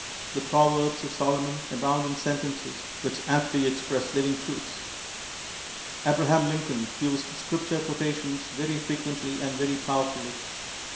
The Proverbs of Solomon abound in sentences which aptly express living truths. Abraham Lincoln used scripture quotations very fre c[uently and very powerfully.